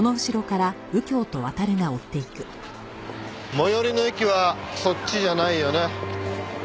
最寄りの駅はそっちじゃないよね？